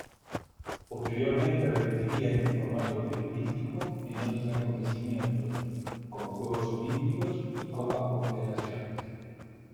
Posteriormente repetiría este formato periodístico en otros acontecimientos, como Juegos Olímpicos y Copas Confederaciones.